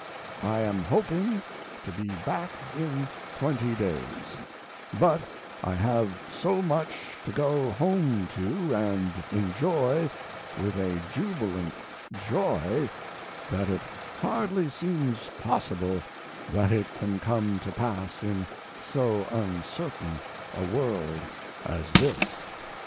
I am hoping to be back in twenty days, but I have so much to go home to and enjoy with a jubilant joy that it hardly seems possible that it can come to pass in so uncertain a world as this.